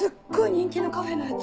人気のカフェのやつ。